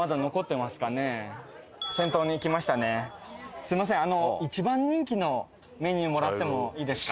すみません一番人気のメニューもらってもいいですか？